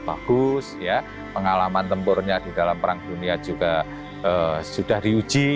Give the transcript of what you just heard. bagus ya pengalaman tempurnya di dalam perang dunia juga sudah diuji